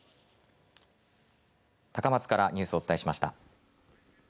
高松からニュースをお伝えしました。